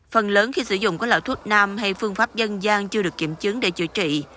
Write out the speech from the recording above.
phần lớn khi sử dụng có loại thuốc nam hay phương pháp dân gian chưa được kiểm chứng để chữa trị